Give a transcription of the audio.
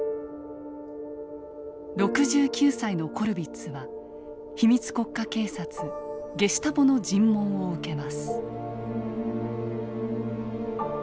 ６９歳のコルヴィッツは秘密国家警察ゲシュタポの尋問を受けます。